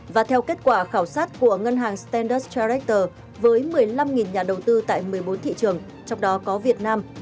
và theo kết quả khảo sát của ngân hàng standarst trarector với một mươi năm nhà đầu tư tại một mươi bốn thị trường trong đó có việt nam